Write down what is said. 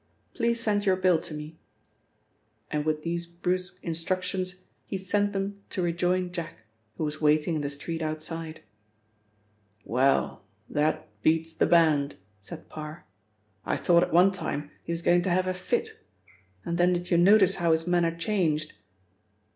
Please send your bill to me." And with these brusque instructions, he sent them to rejoin Jack, who was waiting in the street outside. "Well, that beats the band," said Parr. "I thought at one time he was going to have a fit, and then did you notice how his manner changed?"